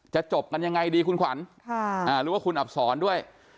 จบกันยังไงดีคุณขวัญหรือว่าคุณอับสอนด้วย